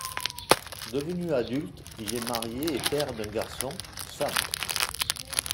Devenu adulte, il est marié et père d'un garçon, Sam.